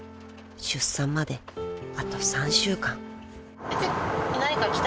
［出産まであと３週間］